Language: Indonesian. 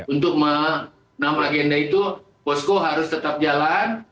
untuk enam agenda itu posko harus tetap jalan